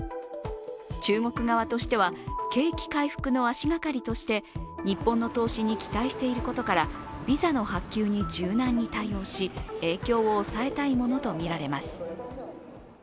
中国側としては景気回復の足がかりとして日本の投資に期待していることから、ビザの発給に柔軟に対応し影響を抑えたいものとみられます。